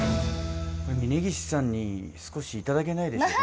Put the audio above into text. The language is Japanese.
峯岸さんに少しいただけないでしょうか。